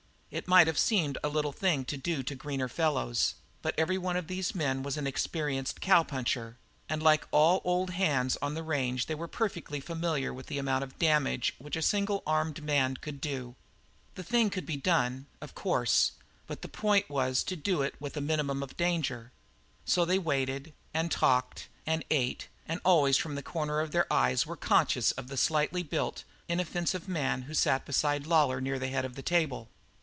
It might have seemed a little thing to do to greener fellows, but every one of these men was an experienced cowpuncher, and like all old hands on the range they were perfectly familiar with the amount of damage which a single armed man can do. The thing could be done, of course, but the point was to do it with the minimum of danger. So they waited, and talked, and ate and always from the corners of their eyes were conscious of the slightly built, inoffensive man who sat beside Lawlor near the head of the table.